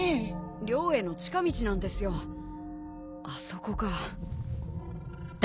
寮への近道なんですよ。あそこか。